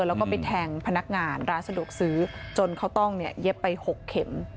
แล้วก็ไปแทงพนักงานร้านสะดวกซื้อจนเขาต้องเย็บไป๖เข็ม